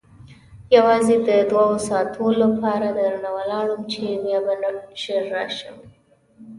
یوازې د دوو ساعتو لپاره درنه ولاړم چې بیا به ژر راشم.